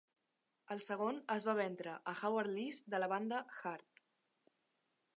El segon es va ventre a Howard Leese, de la banda Heart.